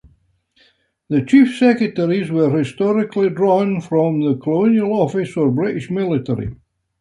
The chief secretaries were historically drawn from the Colonial Office or British military.